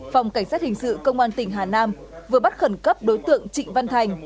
phòng cảnh sát hình sự công an tỉnh hà nam vừa bắt khẩn cấp đối tượng trịnh văn thành